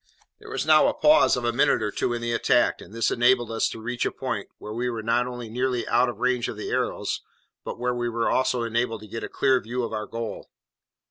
There was now a pause of a minute or two in the attack, and this enabled us to reach a point where we were not only nearly out of range of the arrows, but where we were also enabled to get a clear view of our goal.